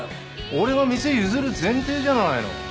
俺が店譲る前提じゃないの。